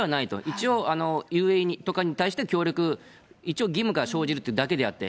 一応、ＵＡＥとかに対して協力、一応義務が生じるというだけであって。